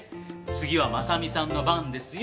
次は真実さんの番ですよ。